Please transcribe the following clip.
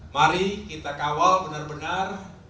mari kita kawal benar benar